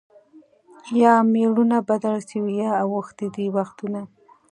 یا مېړونه بدل سوي یا اوښتي دي وختونه